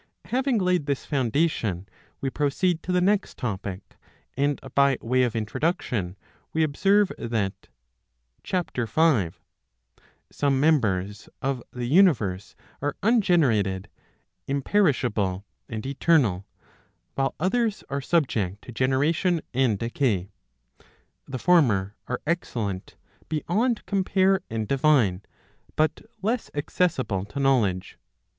Having laid this foundation, we proceed to the next topic, and by way of introduction we observe, that (Ch. 5J some members of the universe are ungenerated, imperishable, and eternal, while others are subject to generation and decay. The former are excellent beyond compare and divine, but less accessible to know ledge.